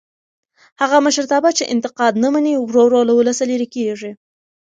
هغه مشرتابه چې انتقاد نه مني ورو ورو له ولسه لرې کېږي